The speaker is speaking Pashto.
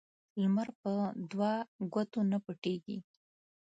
لمر په دوه ګوتو نه پټیږي